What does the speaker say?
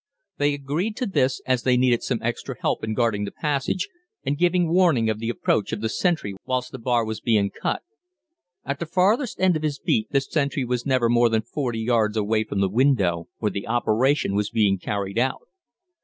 They agreed to this, as they needed some extra help in guarding the passage and giving warning of the approach of the sentry whilst the bar was being cut. At the farthest end of his beat the sentry was never more than 40 yards away from the window where the operation was being carried out.